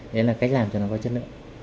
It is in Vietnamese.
đấy là cách làm cho nó có chất lượng